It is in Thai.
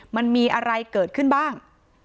มันมีอะไรเกิดขึ้นบ้าง